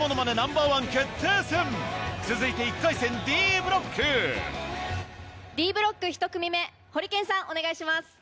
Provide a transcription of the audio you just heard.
続いて１回戦ＤブロックＤブロック１組目ホリケンさんお願いします。